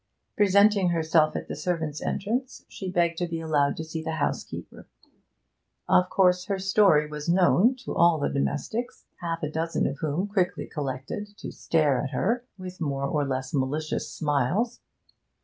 Presenting herself at the servants' entrance, she begged to be allowed to see the housekeeper. Of course her story was known to all the domestics, half a dozen of whom quickly collected to stare at her, with more or less malicious smiles.